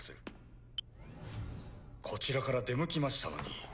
ピッこちらから出向きましたのに。